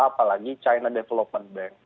apalagi china development bank